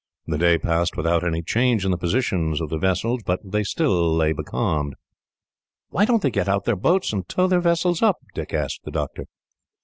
The day passed without any change in the positions of the vessels, for they still lay becalmed. "Why don't they get out their boats, and tow their vessels up?" Dick asked the doctor.